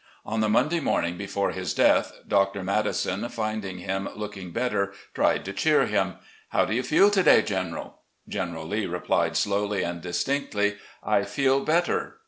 On the Monday morning before his death. Doctor Madison, finding him looking better, tried to cheer him. 'How do you feel to day, General ?' General Lee replied slowly and distinctly: 'I feel better.